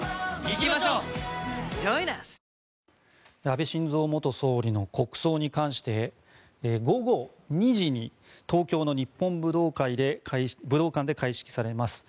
安倍晋三元総理の国葬に関して午後２時に東京の日本武道館で開式されます。